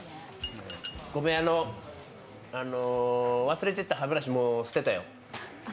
ごめん、あの忘れてた歯ブラシ、もう捨てたよ。